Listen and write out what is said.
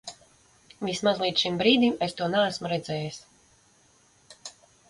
Vismaz līdz šim brīdim es to neesmu redzējis.